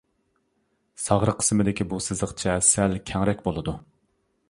ساغرا قىسمىدىكى بۇ سىزىقچە سەل كەڭرەك بولىدۇ.